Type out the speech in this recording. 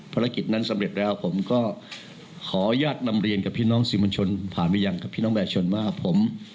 ภารกิจนั้นสำเร็จแล้วผมก็ขออนุญาตนำเรียนกับพี่น้องสื่อมวลชนผ่านไปยังกับพี่น้องประชาชนว่าผม